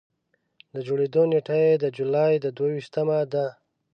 د جوړېدو نېټه یې د جولایي د دوه ویشتمه ده.